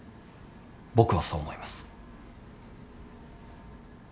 僕はそう思います。